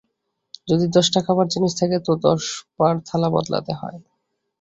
যদি দশটা খাবার জিনিষ থাকে তো দশবার থালা বদলাতে হয়।